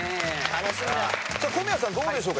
小宮さんどうでしょうか？